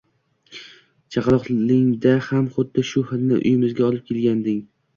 Chaqaloqligingda ham xuddi shu hidni uyimizga olib kelganding